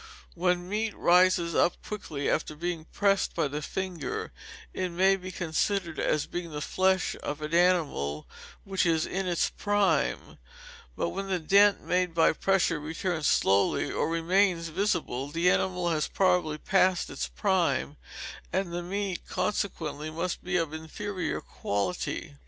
When meat rises up quickly, after being pressed by the finger, it may be considered as being the flesh of an animal which was in its prime; but when the dent made by pressure returns slowly, or remains visible, the animal had probably passed its prime, and the meat consequently must be of inferior quality.